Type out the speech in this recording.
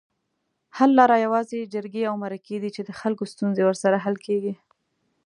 حل لاره یوازې جرګې اومرکي دي چي دخلګوستونزې ورسره حل کیږي